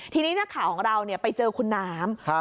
ทีนี้นักข่าวของเราไปเจอคุณน้ำ